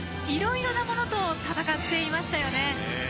いろいろなものと戦っていましたよね。